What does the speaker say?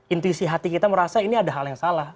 intuisi hati kita merasa ini ada hal yang salah